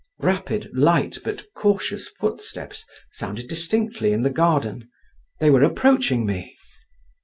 Rapid, light, but cautious footsteps sounded distinctly in the garden. They were approaching me.